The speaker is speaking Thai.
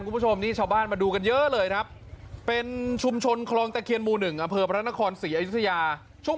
ซุดไปหมดเลยพี่เบิร์ดไม่นุ่มแข็ง